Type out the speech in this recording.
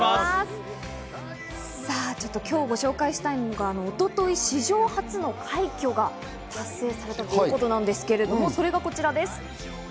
今日ご紹介したいのが史上初の快挙が達成されたということなんですが、それがこちらです。